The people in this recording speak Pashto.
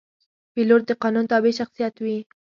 پیلوټ د قانون تابع شخصیت وي.